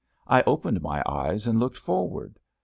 I opened my eyes and looked for ward.